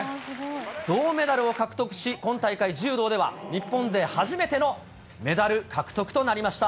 銅メダルを獲得し、今大会、柔道では日本勢初めてのメダル獲得となりました。